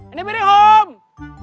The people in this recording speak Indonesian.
ini miring home